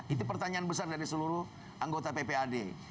itu pertanyaan besar dari seluruh anggota ppad